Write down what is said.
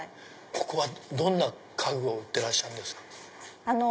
ここはどんな家具を売ってらっしゃるんですか？